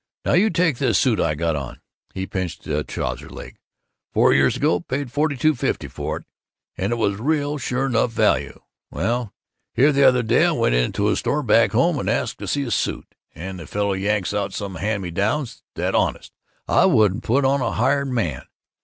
Now, you take this suit I got on." He pinched his trousers leg. "Four years ago I paid forty two fifty for it, and it was real sure 'nough value. Well, here the other day I went into a store back home and asked to see a suit, and the fellow yanks out some hand me downs that, honest, I wouldn't put on a hired man.